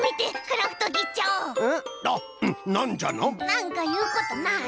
なんかいうことない？